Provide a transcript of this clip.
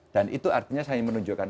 dan itu artinya saya menunjukkan